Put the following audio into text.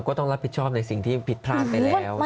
ก็ต้องรับผิดชอบในสิ่งที่ผิดพลาดไปแล้ว